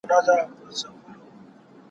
زه به سبا د ښوونځي کتابونه مطالعه وکړم..